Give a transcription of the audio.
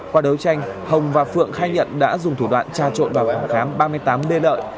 qua đấu tranh hồng và phượng khai nhận đã dùng thủ đoạn tra trộn vào phòng khám ba mươi tám b lợi